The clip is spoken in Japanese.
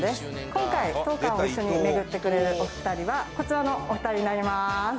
今回当館を一緒に巡ってくれるお二人はこちらのお二人になります